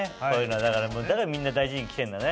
だからみんな大事に着てんだね。